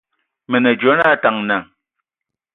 Mə nə dzwe na Ataŋga.